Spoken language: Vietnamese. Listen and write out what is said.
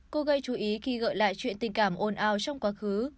cô gây chú ý khi gợi lại chuyện tình cảm ổn ảo trong quá khứ